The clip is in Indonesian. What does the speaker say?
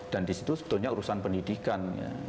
dan disitu sebetulnya urusan pendidikan